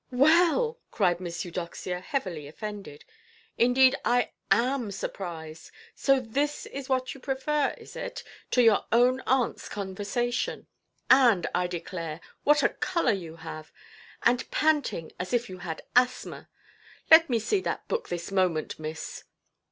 "Well"! cried Miss Eudoxia, heavily offended; "indeed, I am surprised. So this is what you prefer, is it, to your own auntʼs conversation? And, I declare, what a colour you have! And panting, as if you had asthma! Let me see that book this moment, miss"!